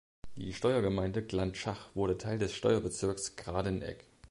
Die Steuergemeinde Glantschach wurde Teil des Steuerbezirks Gradenegg.